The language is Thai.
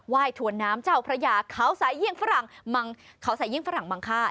ไหว้ถวนน้ำเจ้าพระยาเขาใส่เยี่ยงฝรั่งบังค่า